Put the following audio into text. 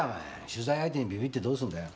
取材相手にビビってどうすんだよ。